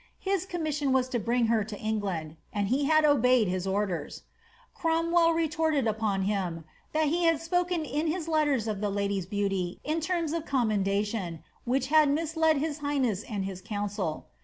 His commission was to bring her to England, and he had obeyed his orders." Cromwell retorted upon him, ^^ that he had spoken in his letters of the lady's beauty in terms of commendation, which had misled his highness and his council."